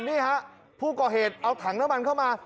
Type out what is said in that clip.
นี่ฮะผู้ก่อเหตุเอาถังน้ำมันเข้ามา